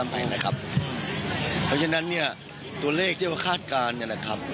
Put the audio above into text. เพราะฉะนั้นเนี่ยตัวเลขที่ว่าคาดการณ์เนี่ยนะครับ